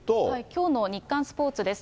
きょうの日刊スポーツです。